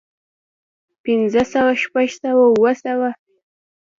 پنځۀ سوه شپږ سوه اووه سوه